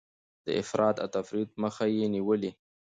د افراط او تفريط مخه يې نيولې.